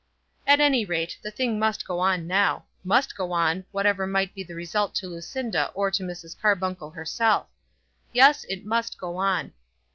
At any rate, the thing must go on now; must go on, whatever might be the result to Lucinda or to Mrs. Carbuncle herself. Yes; it must go on.